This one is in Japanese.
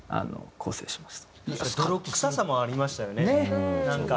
泥臭さもありましたよねなんか。